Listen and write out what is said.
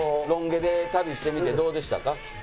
ロン毛で旅してみてどうでしたか？